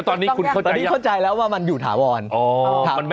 ตอนนี้เข้าใจแล้วว่ามันอยู่ถาวรนะครับ